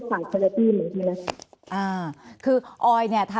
แอนตาซินเยลโรคกระเพาะอาหารท้องอืดจุกเสียดแสบร้อน